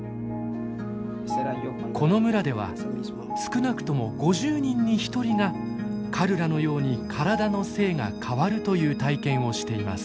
この村では少なくとも５０人に１人がカルラのように体の性が変わるという体験をしています。